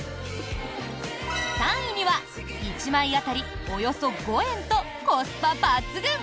３位には１枚当たりおよそ５円とコスパ抜群。